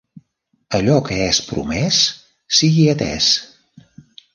Allò que és promès, sigui atès.